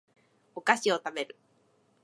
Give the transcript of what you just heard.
お菓子を食べる